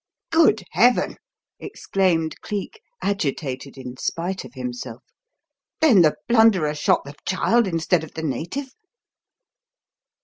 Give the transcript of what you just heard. "Good heaven!" exclaimed Cleek, agitated in spite of himself. "Then the blunderer shot the child instead of the native?"